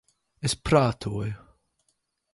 Es prātoju...